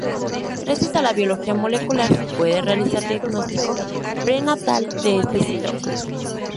Gracias a la biología molecular se puede realizar diagnóstico prenatal de este síndrome.